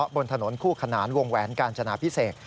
บนถนนคู่ขนานวงแหวนกาญจนาพิเศษ